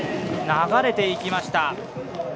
流れていきました。